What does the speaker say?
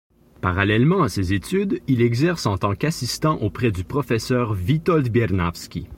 Parallèlement à ses études, il exerce en tant qu’assistant auprès du Professeur Witold Biernawski.